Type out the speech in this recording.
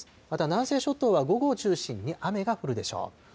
また、南西諸島は午後を中心に雨が降るでしょう。